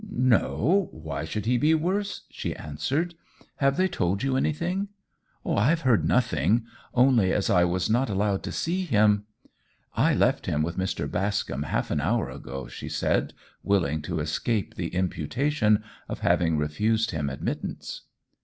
"No. Why should he be worse?" she answered. "Have they told you anything?" "I have heard nothing; only as I was not allowed to see him, " "I left him with Mr. Bascombe half an hour ago," she said, willing to escape the imputation of having refused him admittance.